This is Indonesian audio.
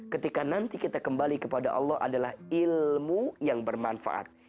ketika nanti kita kembali kepada allah adalah ilmu yang bermanfaat